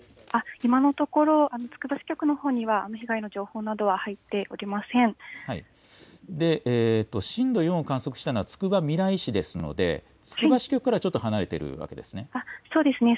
今のところ、つくば支局のほうには被害の情報などは入ってお震度４を観測したのは、つくばみらい市ですので、つくば支局からはちょっと離れているわけでそうですね。